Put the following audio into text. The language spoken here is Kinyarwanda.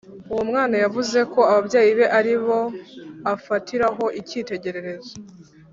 Uwo mwana yavuze ko ababyeyi be aribo afatiraho ikitegererezo